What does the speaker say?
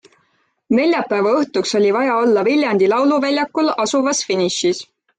Neljapäeva õhtuks oli vaja olla Viljandi lauluväljakul asuvas finišis.